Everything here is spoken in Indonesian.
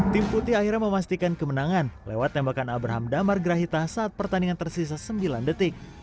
tim putih akhirnya memastikan kemenangan lewat tembakan abraham damar grahita saat pertandingan tersisa sembilan detik